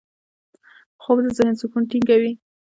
خوب د ذهن سکون ټینګوي